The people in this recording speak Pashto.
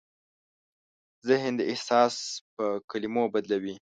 ذهن دا احساس په کلمو بدلوي.